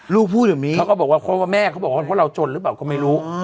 ลูกพูดอย่างนี้เขาก็บอกว่าแม่เขาบอกว่าพวกเราจนหรือเปล่าก็ไม่รู้